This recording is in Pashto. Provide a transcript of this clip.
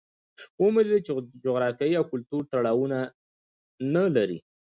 ومو لیدل چې جغرافیې او کلتور تړاو نه لري.